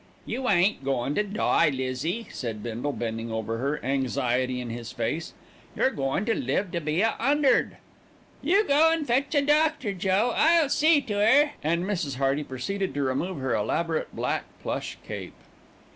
"You ain't goin' to die, Lizzie," said Bindle, bending over her, anxiety in his face. "You're goin' to live to be a 'undred." "You go an' fetch a doctor, Joe. I'll see to 'er," and Mrs. Hearty proceeded to remove her elaborate black plush cape.